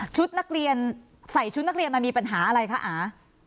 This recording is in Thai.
นักเรียนใส่ชุดนักเรียนมันมีปัญหาอะไรคะอา